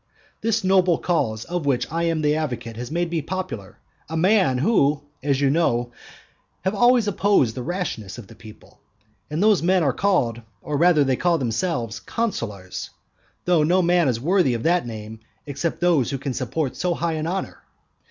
This noble cause of which I am the advocate has made me popular, a man who (as you know) have always opposed the rashness of the people. And those men are called, or rather they call themselves, consulars; though no man is worthy of that name except those who can support so high an honour.